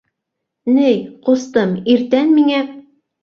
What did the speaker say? Ней, ҡустым, иртән миңә...